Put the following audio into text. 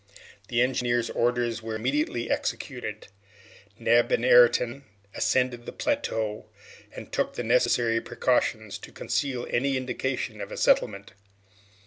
The engineer's orders were immediately executed. Neb and Ayrton ascended the plateau, and took the necessary precautions to conceal any indication of a settlement.